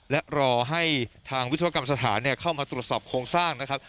และรอให้ทางวิศวกรรมสถานเข้ามาตรวจสอบโครงสร้างนะครับ